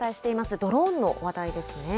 ドローンの話題ですね。